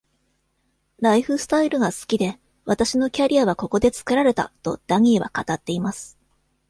「ライフスタイルが好きで、私のキャリアはここで作られた」とダニーは語っています。